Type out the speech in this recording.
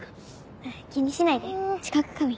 気にしないで知覚過敏。